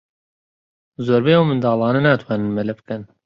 زۆربەی ئەو منداڵانە ناتوانن مەلە بکەن.